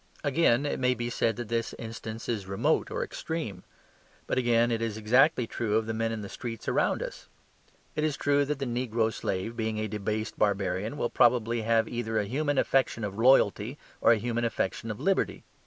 Again, it may be said that this instance is remote or extreme. But, again, it is exactly true of the men in the streets around us. It is true that the negro slave, being a debased barbarian, will probably have either a human affection of loyalty, or a human affection for liberty.